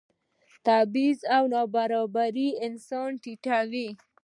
تبعیض او نابرابري انسان ټیټوي.